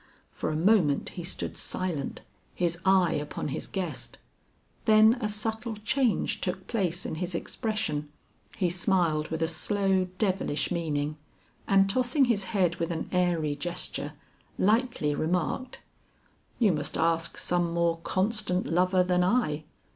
For a moment he stood silent, his eye upon his guest, then a subtle change took place in his expression; he smiled with a slow devilish meaning, and tossing his head with an airy gesture, lightly remarked: "You must ask some more constant lover than I.